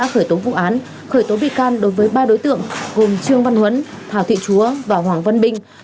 khởi tố vụ án khởi tố bị can đối với ba đối tượng gồm trương văn huấn thảo thị chúa và hoàng văn binh